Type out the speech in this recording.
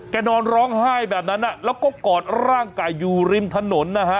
นอนร้องไห้แบบนั้นแล้วก็กอดร่างกายอยู่ริมถนนนะฮะ